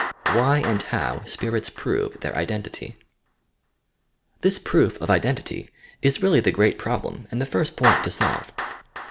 WHY AND HOW SPIIUTS PROVE THEIR mENTITT This proof of identity is really the great problem and the first point to solve.